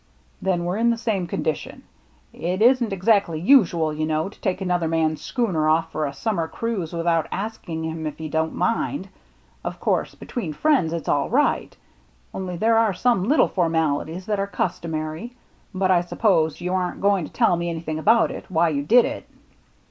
"Then we're in the same condition. It isn't exactly usual, you know, to take another man's schooner off for a summer cruise without asking him if he don't mind. Of course, be tween friends, it's all right — only there are some little formalities that are customary. But I suppose you aren't going to tell me anything about it — why you did it."